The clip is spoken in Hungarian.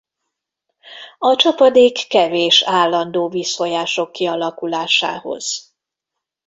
A csapadék kevés állandó vízfolyások kialakulásához.